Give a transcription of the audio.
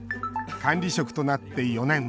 管理職となって４年。